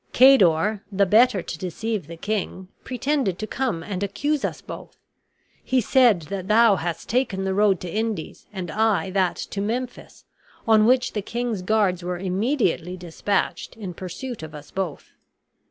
Cador, the better to deceive the king, pretended to come and accuse us both. He said that thou hadst taken the road to the Indies, and I that to Memphis, on which the king's guards were immediately dispatched in pursuit of us both.